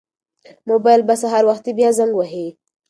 موبایل به سهار وختي بیا زنګ وهي.